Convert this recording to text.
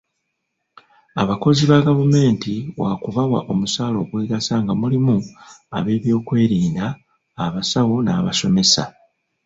Abakozi ba gavumenti wakubawa omusaala ogwegasa nga mulimu ab'ebyokwerinda, abasawo n'abasomesa.